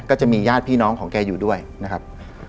ก็จะมีญาติพี่น้องของแกอยู่ด้วยนะครับ